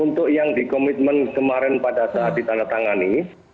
untuk yang dikomitmen kemarin pada saat ditandatangani